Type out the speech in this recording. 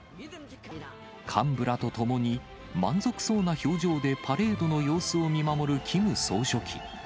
幹部らと共に、満足そうな表情でパレードの様子を見守るキム総書記。